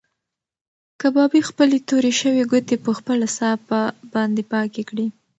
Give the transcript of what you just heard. کبابي خپلې تورې شوې ګوتې په خپله صافه باندې پاکې کړې.